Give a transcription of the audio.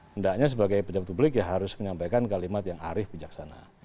hendaknya sebagai pejabat publik ya harus menyampaikan kalimat yang arif bijaksana